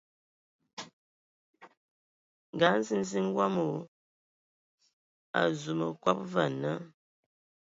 Nga nziziŋ wama o azu ma kɔb va ana.